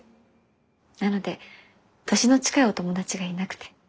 なので年の近いお友達がいなくて。